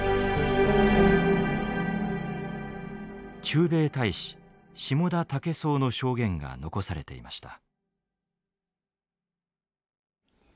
駐米大使下田武三の証言が残されていました。